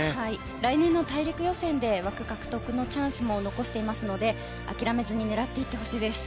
来年の大陸予選で枠獲得のチャンスも残していますので諦めずに狙っていってほしいです。